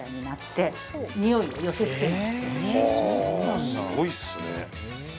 すごいっすね。